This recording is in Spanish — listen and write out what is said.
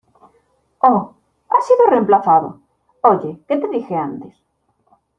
¡ Oh! ¿ has sido reemplazado? ¿ oye, qué te dije antes ?